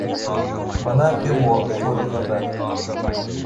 Бына кем ул хур ҡыҙы